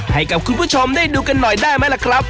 ให้กับคุณผู้ชมได้ดูกันหน่อยได้ไหมล่ะครับ